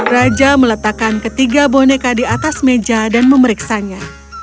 raja meletakkan ketiga boneka di atas meja dan memeriksanya